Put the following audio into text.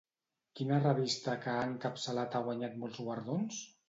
Quina revista que ha encapçalat ha guanyat molts guardons?